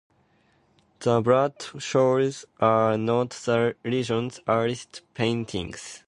The Bradshaws are not the regions' earliest paintings.